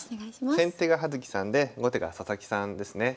先手が葉月さんで後手が佐々木さんですね。